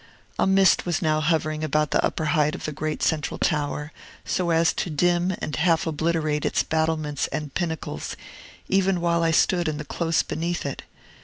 A mist was now hovering about the upper height of the great central tower, so as to dim and half obliterate its battlements and pinnacles, even while I stood in the close beneath it.